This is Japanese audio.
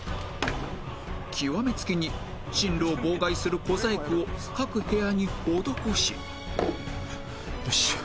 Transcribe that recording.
極めつけに進路を妨害する小細工を各部屋に施しよいしょ。